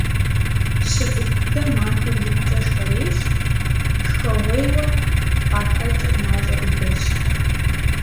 ЩыцӀыкӀу дыдэм ахэр икъукӀэ шхэрейщ, шхэгъуейуэ къахэкӀыр мащӀэ дыдэщ.